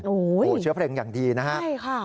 โอ้โฮเชื้อเพลิงอย่างดีนะครับ